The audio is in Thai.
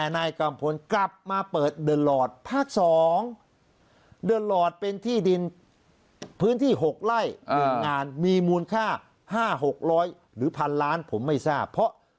หล่ายหนึ่งงานมีมูลค่าห้าหกร้อยหรือพันล้านผมไม่ทราบเพราะ